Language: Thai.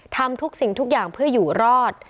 ทำทุกสิ่งทุกอย่างเพื่ออยู่รอด